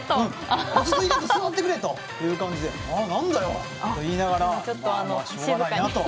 落ち着いて座ってくれって感じで何だよと言いながらしょうがないなと。